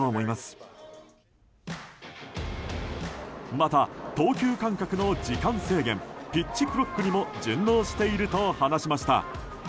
また、投球間隔の時間制限ピッチクロックにも順応していると話しました。